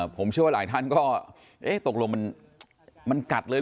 ผมเชื่อว่าหลายท่านก็เอ๊ะตกลงมันกัดเลยเห